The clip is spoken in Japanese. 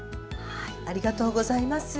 ありがとうございます。